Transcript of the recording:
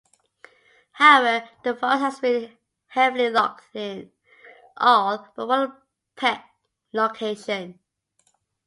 However, the forest has been heavily logged in all but one Pech location.